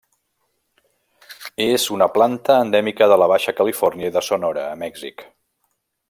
És una planta endèmica de la Baixa Califòrnia i de Sonora a Mèxic.